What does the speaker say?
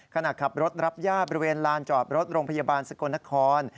ขณะขับรถรับญาติบริเวณลานจอดรถโรงพยาบาลสกลนคร